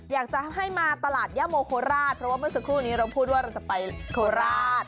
อยากจะให้มาตลาดย่าโมโคราชเพราะว่าเมื่อสักครู่นี้เราพูดว่าเราจะไปโคราช